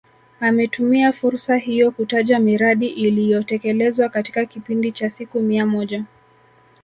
Ametumia fursa hiyo kutaja miradi iliyotekelezwa katika kipindi cha siku mia moja